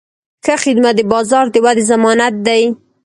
ښه خدمت د بازار د ودې ضمانت دی.